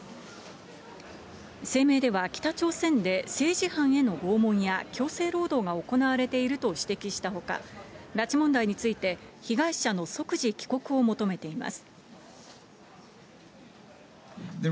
声明では北朝鮮で政治犯への拷問や強制労働が行われていると指摘したほか、拉致問題について、被害者の即時帰国を求めています。